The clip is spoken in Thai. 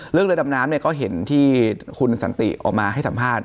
เรือดำน้ำก็เห็นที่คุณสันติออกมาให้สัมภาษณ์